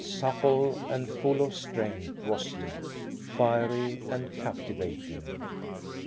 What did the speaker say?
Supple and full of strength was he, fiery and captivating.